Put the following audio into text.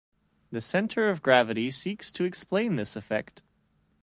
The center of gravity seeks to explain this effect.